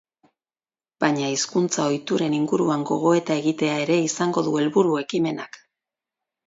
Baina hizkuntza-ohituren inguruan gogoeta egitea ere izango du helburu ekimenak.